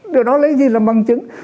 điều đó lấy gì làm bằng chứng